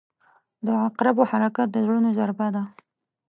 • د عقربو حرکت د زړونو ضربه ده.